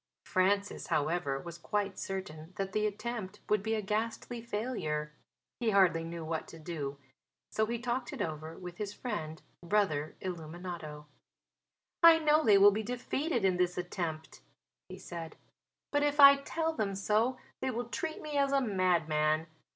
Francis, however, was quite certain that the attempt would be a ghastly failure. He hardly knew what to do. So he talked it over with his friend, Brother Illuminato. "I know they will be defeated in this attempt," he said. "But if I tell them so they will treat me as a madman.